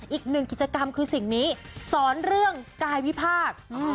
อีกหนึ่งกิจกรรมคือสิ่งนี้สอนเรื่องกายวิพากษ์